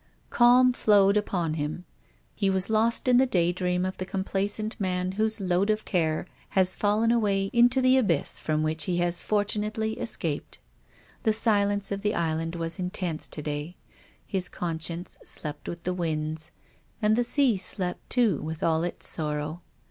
Calm flowed upon him. He was lost in the day dream of the complacent man whose load of care has fallen away into the abyss from which he has fortunately escaped. The silence of the Island was intense to day. His conscience slept with the winds. And the sea slept too with all its sorrow.